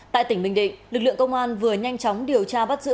tại tỉnh bình định lực lượng công an vừa nhanh chóng điều tra bắt giữ